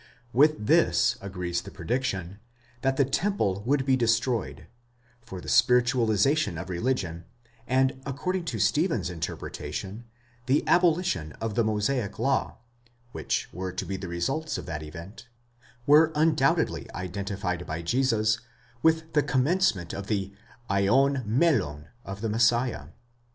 With this agrees the prediction, that the temple would be destroyed ; for the spiritualization of religion, and, according to Stephen's interpretation, the abolition of the Mosaic law, which were to be the results of that event, were undoubtedly identified by Jesus with the commencement of the αἰὼν μέλλων of the Messiah.